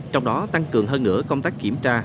trong đó tăng cường hơn nữa công tác kiểm tra